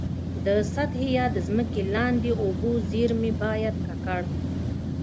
د سطحي یا د ځمکي لاندي اوبو زیرمي باید ککړ.